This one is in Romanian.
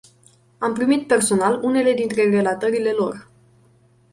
Am primit personal unele dintre relatările lor.